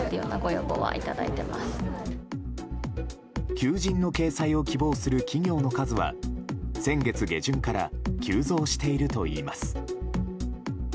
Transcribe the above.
求人の掲載を希望する企業の数は先月下旬から急増しているといいます。